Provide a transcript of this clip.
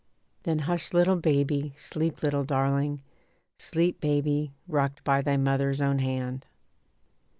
Then hush little baby, sleep little darling, Sleep baby, rocked by thy mother's own hand.